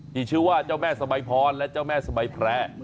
ที่ชื่อว่าเจ้าแม่สบายพรและเจ้าแม่สบายแพร่